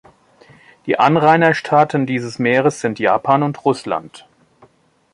Die Anrainerstaaten dieses Meeres sind Japan und Russland.